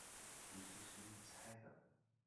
其实是用猜的